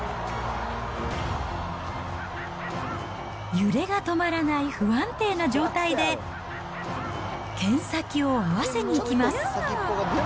揺れが止まらない不安定な状態で、剣先を合わせにいきます。